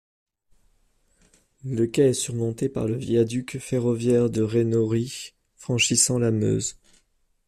Le quai est surmonté par le viaduc ferroviaire de Renory franchissant la Meuse.